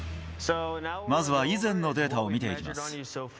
まずは以前のデータを見ていきます。